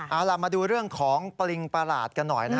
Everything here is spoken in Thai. เอาล่ะมาดูเรื่องของปริงประหลาดกันหน่อยนะฮะ